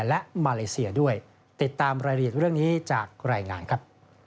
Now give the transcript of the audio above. และมาเลเซียด้วยติดตามรายละเอียดเรื่องนี้จากรายงานครับ